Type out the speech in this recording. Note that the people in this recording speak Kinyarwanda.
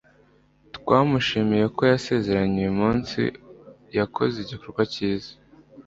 Twamushimiye ko yasezeranye uyu munsi yakoze igikorwa cyiza.